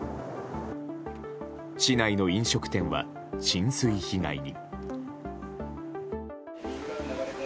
市内の飲食店は浸水被害に。